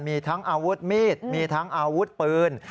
มีทั้งอาวุธมีดมีทั้งอาวุธปืน